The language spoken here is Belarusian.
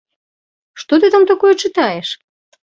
Што ты там такое чытаеш?